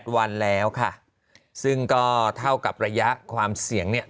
วันแล้วค่ะซึ่งก็เท่ากับระยะความเสี่ยงเนี่ย